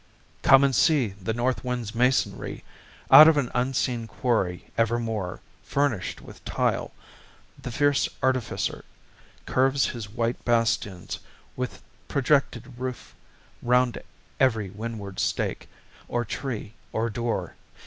Come and see the north wind's masonry. Out of an unseen quarry evermore Furnished with tile, the fierce artificer Curves his white bastions with projected roof Round every windward stake, or tree, or door.